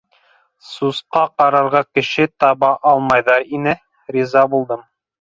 Сусҡа ҡарарға кеше таба алмайҙар ине - риза булдым.